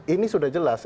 ini sudah jelas